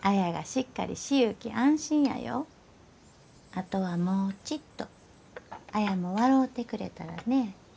あとはもうちっと綾も笑うてくれたらね。